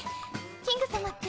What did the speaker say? キング様って。